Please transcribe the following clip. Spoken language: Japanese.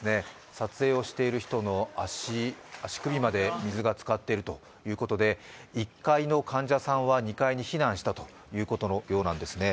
撮影をしている人の足首まで水がつかっているということで１階の患者さんは２階に避難したということなんですね。